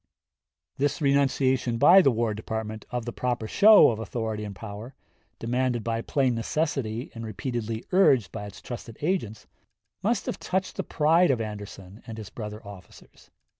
This renunciation by the War Department of the proper show of authority and power, demanded by plain necessity and repeatedly urged by its trusted agents, must have touched the pride of Anderson and his brother officers.